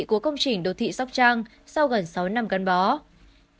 của công trình đô thị sóc trang sau gần sáu năm gắn bó